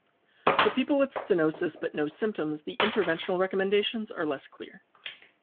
For people with stenosis but no symptoms, the interventional recommendations are less clear.